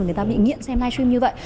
người ta bị nghiện xem live stream như vậy